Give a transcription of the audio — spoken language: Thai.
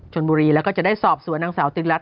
ชนบุรีแล้วก็จะได้สอบสวนนางสาวติรัฐ